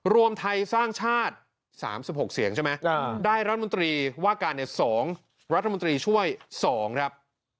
รวมไทยสร้างชาติ๓๖เสียงใช่ไหมได้รัฐมนตรีว่าการใน๒รัฐมนตรีช่วย๒ครับ